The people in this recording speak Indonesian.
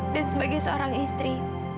dan sebagai seorang istri